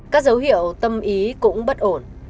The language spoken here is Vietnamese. các dấu hiệu tâm ý cũng bất ổn